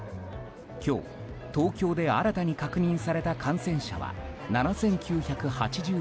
今日、東京で新たに確認された感染者は７９８２人。